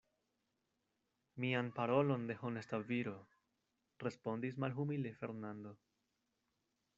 Mian parolon de honesta viro, respondis malhumile Fernando.